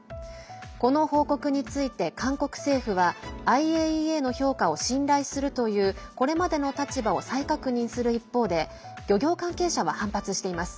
この報告について韓国政府はＩＡＥＡの評価を信頼するというこれまでの立場を再確認する一方で漁業関係者は反発しています。